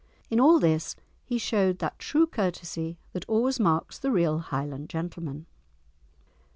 In all this he showed that true courtesy that always marks the real Highland gentleman.